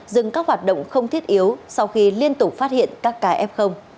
dừng các hoạt động không thiết yếu sau khi liên tục phát hiện các ca f